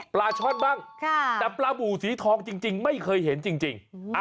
ช่อนบ้างแต่ปลาบูสีทองจริงไม่เคยเห็นจริง